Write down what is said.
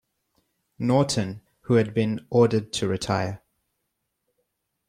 Norton, who had been ordered to retire.